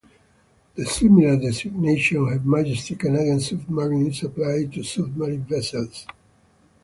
The similar designation of Her Majesty's Canadian Submarine is applied to submarine vessels.